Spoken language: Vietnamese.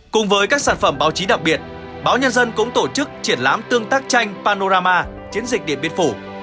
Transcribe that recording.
cùng với các sản phẩm báo chí đặc biệt báo nhân dân cũng tổ chức triển lãm tương tác tranh panorama chiến dịch điện biên phủ